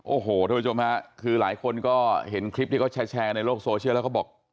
โอ้โหท่านผู้ชมฮะคือหลายคนก็เห็นคลิปที่เขาแชร์กันในโลกโซเชียลแล้วเขาบอก